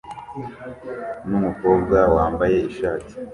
numukobwa wambaye ishati